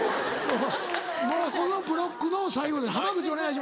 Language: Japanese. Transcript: もうこのブロックの最後で濱口お願いします。